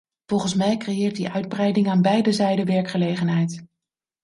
Volgens mij creëert die uitbreiding aan beide zijden werkgelegenheid.